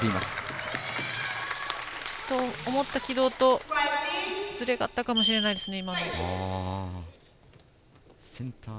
思った軌道とズレがあったかもしれないですね。